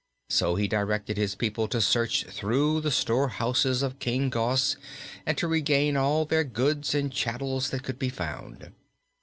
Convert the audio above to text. So he directed his people to search through the storehouses of King Gos and to regain all their goods and chattels that could be found.